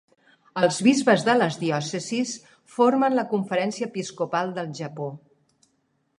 Els bisbes de les diòcesis formen la Conferència Episcopal del Japó.